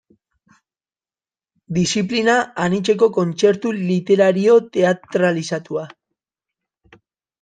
Diziplina anitzeko kontzertu literario teatralizatua.